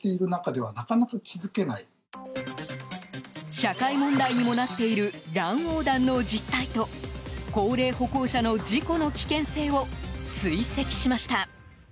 社会問題にもなっている乱横断の実態と高齢歩行者の事故の危険性を追跡しました。